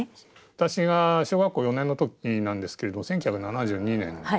私が小学校４年の時なんですけれども１９７２年ですね。